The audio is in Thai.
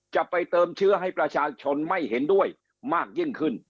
จะไปเติมเชื้อให้ประชาชนไม่เห็นด้วยมากยิ่งขึ้น